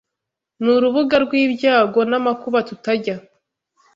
ni urubuga rw’ibyago n’amakuba tutajya